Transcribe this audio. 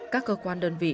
các cơ quan đơn vị